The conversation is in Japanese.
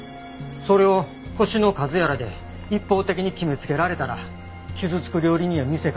それを星の数やらで一方的に決めつけられたら傷つく料理人や店かてある。